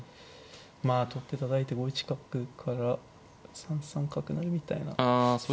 まあ取ってたたいて５一角から３三角成みたいな筋が。